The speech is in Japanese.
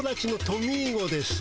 トミーゴ！